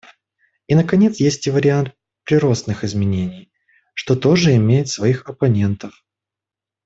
И наконец, есть и вариант приростных изменений, что тоже имеет своих оппонентов.